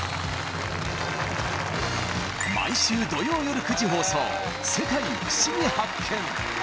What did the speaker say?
毎週土曜よる９時放送「世界ふしぎ発見！」